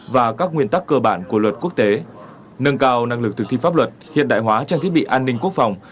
và các nguyên tắc cơ bản của luật quốc tế nâng cao năng lực thực thi pháp luật hiện đại hóa trang thiết bị an ninh quốc phòng